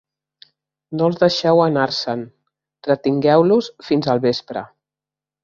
No els deixeu anar-se'n: retingueu-los fins al vespre.